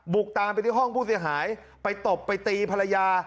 ตามไปที่ห้องผู้เสียหายไปตบไปตีภรรยา